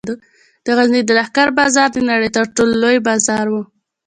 د غزني د لښکر بازار د نړۍ تر ټولو لوی بازار و